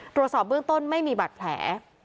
ตรวจสอบเบื้องต้นไม่มีบาดแผล